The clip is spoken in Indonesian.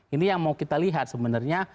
ini yang mau kita lihat sebenarnya